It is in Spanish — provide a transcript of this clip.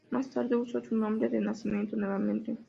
Más tarde usó su nombre de nacimiento nuevamente.